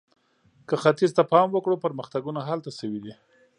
که ختیځ ته پام وکړو، پرمختګونه هلته شوي دي.